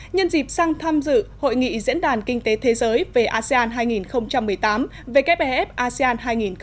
nhân dịp sang tham dự hội nghị diễn đàn kinh tế thế giới về asean hai nghìn một mươi tám wfef asean hai nghìn một mươi chín